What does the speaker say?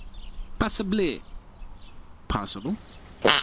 Possibile possible.